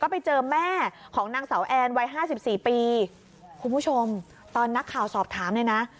ไปเจอแม่ของนางสาวแอนวัยห้าสิบสี่ปีคุณผู้ชมตอนนักข่าวสอบถามเลยนะ